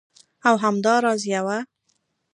او همدا راز یوه